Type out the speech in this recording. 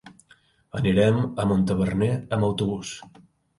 Anirem a Montaverner amb autobús.